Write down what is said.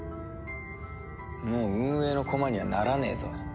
もう運営の駒にはならねえぞ。